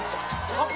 あっ！